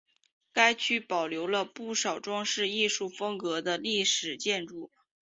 该区保留了不少装饰艺术风格的历史建筑。